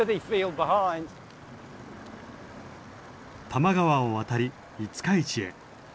多摩川を渡り五日市へ。